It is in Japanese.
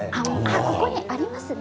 ここにありますね。